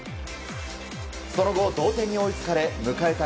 その後、同点に追いつかれ迎えた